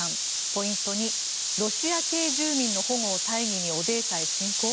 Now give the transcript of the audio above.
ポイント２ロシア系住民の保護を大義にオデーサへ侵攻？